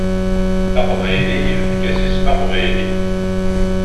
Aqbayli efk-as isem aqbayli.